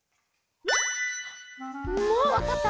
もうわかった？